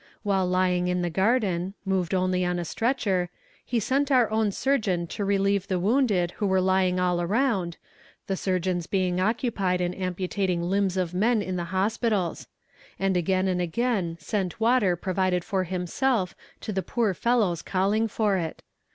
While lying in the garden, moved only on a stretcher, he sent our own surgeon to relieve the wounded who were lying all around, the surgeons being occupied in amputating limbs of men in the hospitals; and again and again sent water provided for himself to the poor fellows calling for it.